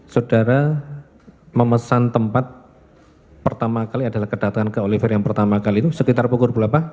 saudara memesan tempat pertama kali adalah kedatangan ke oliver yang pertama kali itu sekitar pukul berapa